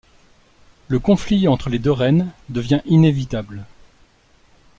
Le conflit entre les deux reines devient inévitable.